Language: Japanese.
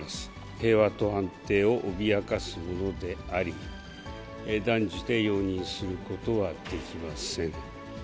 平和と安定を脅かすものであり、断じて容認することはできません。